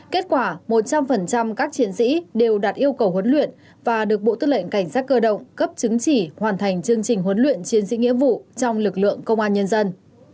kết quả một trăm linh các chiến sĩ đều đạt yêu cầu huấn luyện và được bộ tư lệnh cảnh sát cơ động cấp chứng chỉ hoàn thành chương trình huấn luyện chiến sĩ nghĩa vụ trong lực lượng công an nhân dân